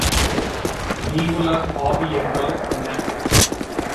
மீஉலர் ஆவி என்றால் என்ன?